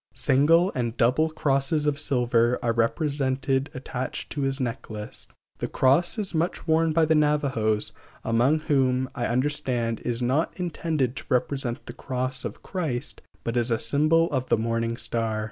Single and double crosses of silver are represented attached to his necklace. The cross is much worn by the Navajos, among whom, I understand, it is not intended to represent the "Cross of Christ," but is a symbol of the morning star.